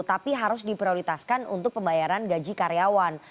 tapi harus diprioritaskan untuk pembayaran gaji karyawan